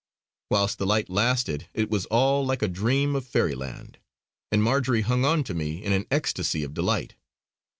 Whilst the light lasted it was all like a dream of fairyland; and Marjory hung on to me in an ecstasy of delight.